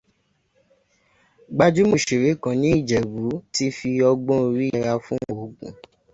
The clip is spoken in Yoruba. Gbajúmọ̀ òṣèré kan ní Ìjẹ̀bú ti fi ọgbọ́n orí yẹra fún oògùn